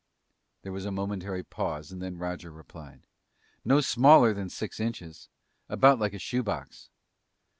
There was a momentary pause and then Roger replied, "No smaller than six inches. About like a shoe box."